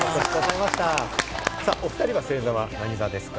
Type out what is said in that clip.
おふたりは星座は何座ですか？